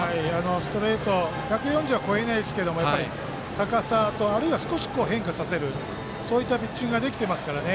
ストレート１４０は超えないですけどやっぱり高さとあるいは少し変化させるそういったピッチングができていますからね。